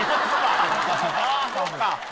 あそっか！